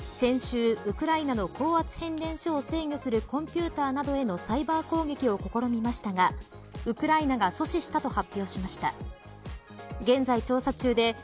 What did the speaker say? ウクライナは１２日ロシア軍のハッカーとみられる集団が先週、ウクライナの高圧変電所を制御するコンピューターなどへのサイバー攻撃を試みましたがウクライナが阻止したと発表しました。